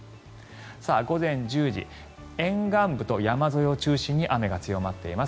午前１０時沿岸部と山沿いを中心に雨が強まっています。